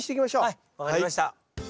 はいわかりました。